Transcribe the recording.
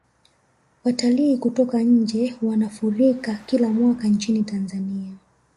watalii kutoka nje wanafurika kila mwaka nchini tanzania